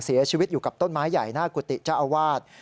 เสียชีวิตอยู่กับต้นไม้ใหญ่หน้ากุฏิเจ้าอาวาส